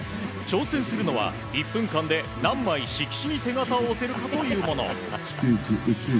挑戦するのは、１分間で何枚色紙に手形を押せるかというもの。